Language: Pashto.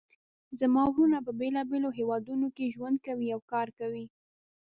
زما وروڼه په بیلابیلو هیوادونو کې ژوند کوي او کار کوي